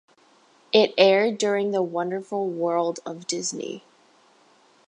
It aired during The Wonderful World of Disney.